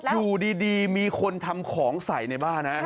อยู่ดีมีคนทำของใส่ในบ้านนะ